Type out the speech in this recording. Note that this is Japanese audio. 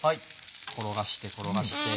転がして転がして。